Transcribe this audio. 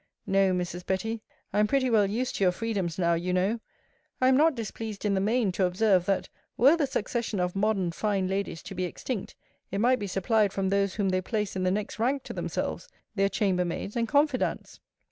No, Mrs. Betty, I am pretty well used to your freedoms now, you know. I am not displeased in the main, to observe, that, were the succession of modern fine ladies to be extinct, it might be supplied from those whom they place in the next rank to themselves, their chamber maids and confidants.